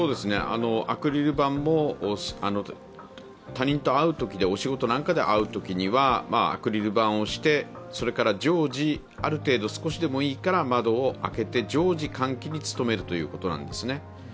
アクリル板も、他人と会うときお仕事なんかで会うときにはアクリル板をしてそれから常時、ある程度少しでもいいから窓を開けて、常時換気に努めるということなんですね。